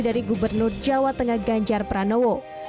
dari gubernur jawa tengah ganjar pranowo